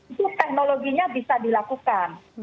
itu teknologinya bisa dilakukan